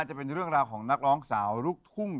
จะเป็นเรื่องราวของนักร้องสาวลูกทุ่ง